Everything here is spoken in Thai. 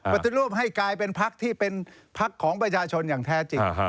ปฏิรูปให้กลายเป็นพักที่เป็นพักของประชาชนอย่างแท้จริง